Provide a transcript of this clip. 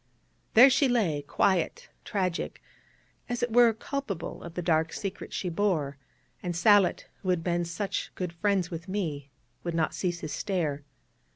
There she lay, quiet, tragic, as it were culpable of the dark secret she bore; and Sallitt, who had been such good friends with me, would not cease his stare.